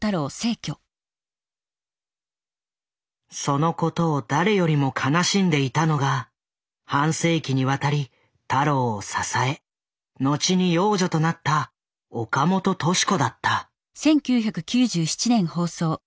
そのことを誰よりも悲しんでいたのが半世紀にわたり太郎を支え後に養女となった岡本敏子だった。